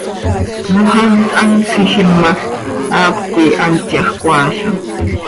Moxhamt hant tsiijim ma, haacöt coi hant yahjcoaalam.